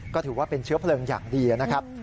ก็ถือว่าเป็นเชื้อเพลิงอย่างดีนะครับ